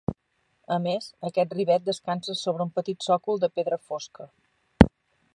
A més, aquest rivet descansa sobre un petit sòcol de pedra fosca.